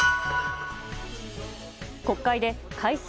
国会で改正